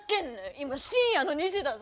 今深夜の２時だぞ！